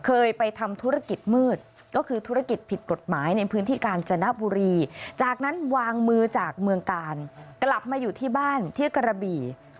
เคยไปทำธุรกิจมืดก็คือธุรกิจผิดกฎหมายในพื้นที่กาญจนบุรีจากนั้นวางมือจากเมืองกาลกลับมาอยู่ที่บ้านที่กระบี่